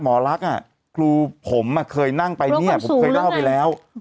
หมอลักษณ์ครูผมเคยนั่งไปเนี่ยผมเคยเล่าไปแล้ว